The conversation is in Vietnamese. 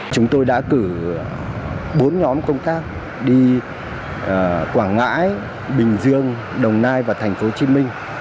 chúng tôi đã cử bốn nhóm công tác đi quảng ngãi bình dương đồng nai và tp hcm